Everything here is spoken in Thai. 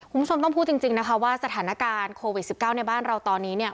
คุณผู้ชมต้องพูดจริงนะคะว่าสถานการณ์โควิด๑๙ในบ้านเราตอนนี้เนี่ย